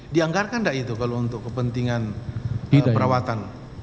dianggarkan tidak itu kalau untuk kepentingan perawatan